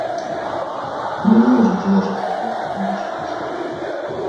Мы не можем продолжать работать на нынешних условиях.